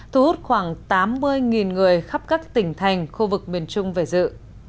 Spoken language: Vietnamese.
thu hút khoảng tám mươi người khắp các tỉnh thành khu vực miền trung về dự